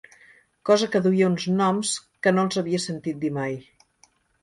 Cosa que duia uns noms que no els havia sentit dir mai